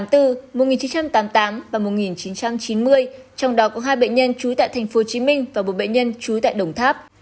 trong đó có hai bệnh nhân trú tại tp hcm và một bệnh nhân trú tại đồng tháp